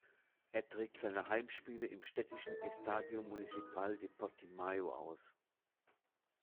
Er trägt seine Heimspiele im städtischen Estádio Municipal de Portimão aus.